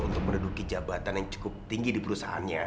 untuk mereduki jabatan yang cukup tinggi di perusahaannya